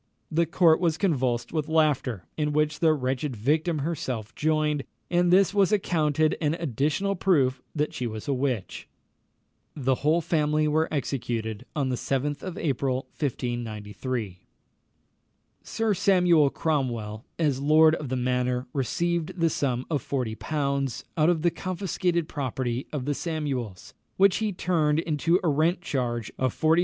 The court was convulsed with laughter, in which the wretched victim herself joined; and this was accounted an additional proof that she was a witch. The whole family were executed on the 7th of April, 1593. Sir Samuel Cromwell, as lord of the manor, received the sum of 40l. out of the confiscated property of the Samuels, which he turned into a rent charge of 40s.